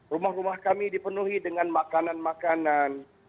rumah rumah kami dipenuhi dengan makanan makanan